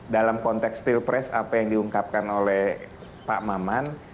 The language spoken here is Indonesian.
dalam konteks pilpres apa yang diungkapkan oleh pak maman